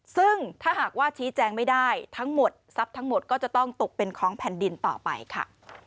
ซึ่งถ้าหากว่าชี้แจงไม่ได้ทั้งหมดทรัพย์ทั้งหมดก็จะต้องตกเป็นของแผ่นดินต่อไปค่ะ